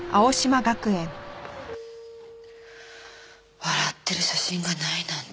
笑ってる写真がないなんて。